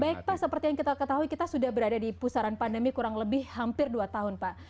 baik pak seperti yang kita ketahui kita sudah berada di pusaran pandemi kurang lebih hampir dua tahun pak